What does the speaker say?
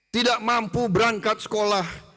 tidak mampu berangkat sekolah